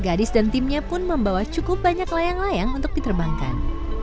gadis dan timnya pun membawa cukup banyak layang layang untuk diterbangkan